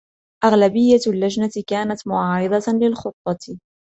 أغلبية اللجنة كانت معارضةً للخطة.